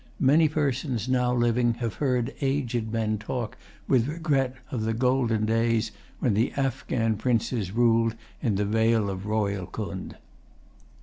Many persons now living have heard aged men talk with regret of the golden days when the Afghan princes ruled in the vale of Rohilcund.